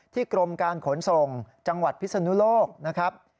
กรมการขนส่งจังหวัดพิศนุโลกนะครับ